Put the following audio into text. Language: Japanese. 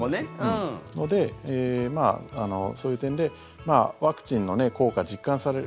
なので、そういう点でワクチンの効果、実感される。